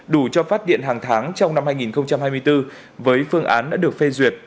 đủ cho phát điện hàng tháng trong năm hai nghìn hai mươi bốn với phương án đã được phê duyệt